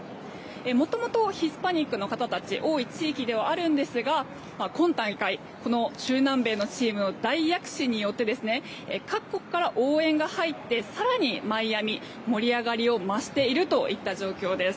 もともとヒスパニックの方たちが多い地域ではあるんですが今大会、中南米のチームの大躍進によって各国から応援が入って更に、マイアミは盛り上がりを増しているといった状況です。